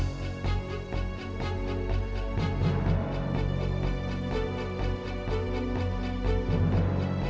aku harus mencari ranti